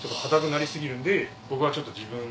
僕はちょっと自分なりに。